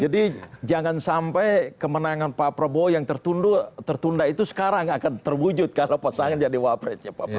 jadi jangan sampai kemenangan pak prabowo yang tertunda itu sekarang akan terwujud kalau pasangan jadi wapresnya pak prabowo